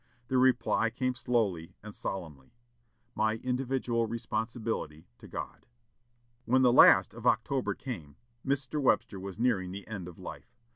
The reply came slowly and solemnly, "My individual responsibility to God!" When the last of October came, Mr. Webster was nearing the end of life.